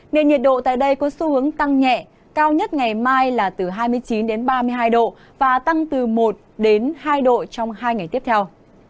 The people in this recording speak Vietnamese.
nền nhiệt độ tại đây có xu hướng tăng nhẹ cao nhất ngày mai là từ hai mươi chín ba mươi hai độ và tăng từ một hai độ trong hai ngày tiếp theo